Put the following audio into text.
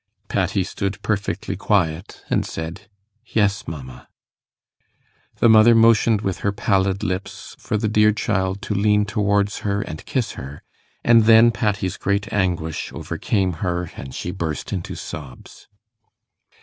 Patty stood perfectly quiet, and said, 'Yes, mamma.' The mother motioned with her pallid lips for the dear child to lean towards her and kiss her; and then Patty's great anguish overcame her, and she burst into sobs.